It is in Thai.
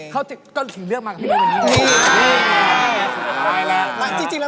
ก็ถึงเลือกมากับพี่นี้กันดีกว่า